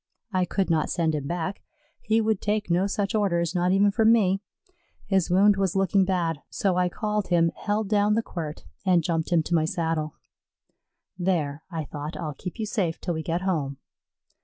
I could not send him back; he would take no such orders, not even from me. His wound was looking bad, so I called him, held down the quirt, and jumped him to my saddle. "There," I thought, "I'll keep you safe till we get home."